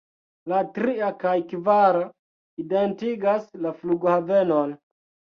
La tria kaj kvara identigas la flughavenon.